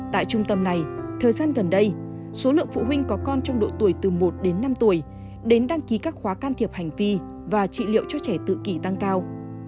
tại trung tâm này thời gian gần đây số lượng phụ huynh có con trong độ tuổi từ một đến năm tuổi đến đăng ký các khóa can thiệp hành vi và trị liệu cho trẻ tự kỷ tăng cao